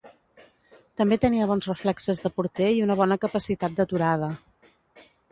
També tenia bons reflexes de porter i una bona capacitat d'aturada.